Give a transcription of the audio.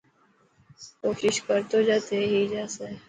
ڪوشش ڪرتو جا ٿي هي باسي.